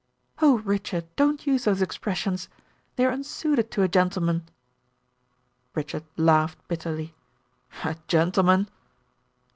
"Oh, Richard don't use those expressions. They are unsuited to a gentleman." Richard laughed bitterly. "A gentleman?"